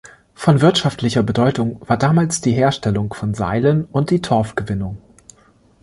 Von wirtschaftlicher Bedeutung war damals die Herstellung von Seilen und die Torfgewinnung.